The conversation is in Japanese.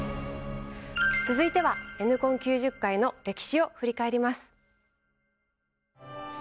続いてはＮコン９０回の歴史を振り返ります。